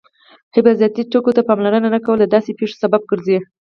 حفاظتي ټکو ته پاملرنه نه کول د داسې پېښو سبب ګرځي.